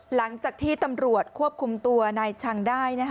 หลังจากที่ตำรวจควบคุมตัวนายชังได้